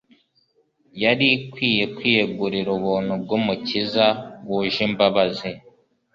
yari ikwiye kwiyegurira ubuntu bw'Umukiza wuje imbabazi.